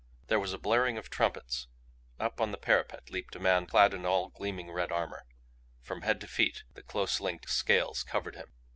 There was a blaring of trumpets. Up on the parapet leaped a man clad all in gleaming red armor. From head to feet the close linked scales covered him.